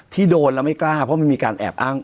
ที่โดนแล้วไม่กล้าเพราะมันมีการแอบอ้าง